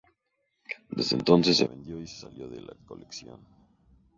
Desde entonces se vendió y salió de la colección.